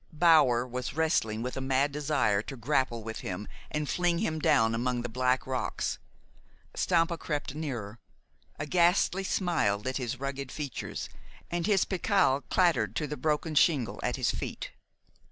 Bower was wrestling with a mad desire to grapple with him and fling him down among the black rocks. Stampa crept nearer. A ghastly smile lit his rugged features, and his pickel clattered to the broken shingle at his feet.